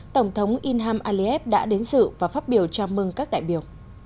tổng thống inham aliyev đã đến dự và phát biểu chào mừng các đại biểu